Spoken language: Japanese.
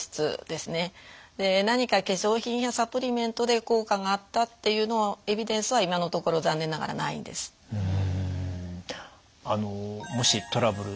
で何か化粧品やサプリメントで効果があったっていうエビデンスは今のところ残念ながらないんです。あのもしトラブルになったと。